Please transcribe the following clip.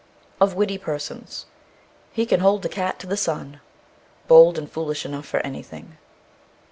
OF WITTIE PERSONS. He can hold the cat to the sun. Bold and foolish enough for anything.